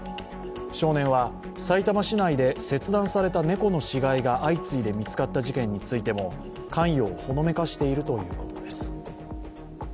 少年は、さいたま市内で切断された猫の死骸が相次いで見つかった事件についても関与をほのめかしているということです。